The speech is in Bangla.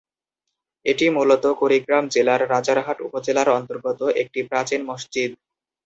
এটি মূলত কুড়িগ্রাম জেলার রাজারহাট উপজেলার অন্তর্গত একটি প্রাচীন মসজিদ।